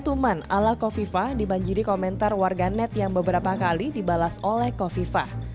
tuman ala hovifa dibanjiri komentar warga net yang beberapa kali dibalas oleh hovifa